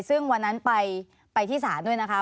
ซึ่งวันนั้นไปที่ศาลด้วยนะคะ